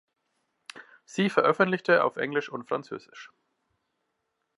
Sie veröffentlichte auf Englisch und Französisch.